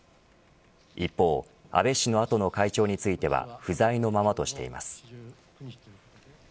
一方、安倍氏の後の会長については不在のままとしています。